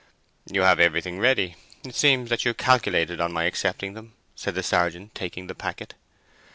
"You have everything ready—it seems that you calculated on my accepting them," said the sergeant, taking the packet.